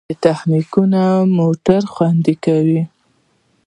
نوې تخنیکونه موټر خوندي کوي.